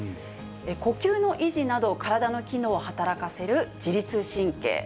呼吸の維持など体の機能を働かせる自律神経。